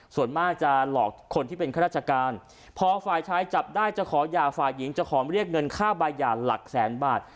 ส่วนมากจะหลอกคนที่เป็นข้าราชการพอฝ่ายชายจับได้จะขอหย่าฝ่ายหญิงจะขอเรียกเงินค่าใบหย่าหลักแสนบาท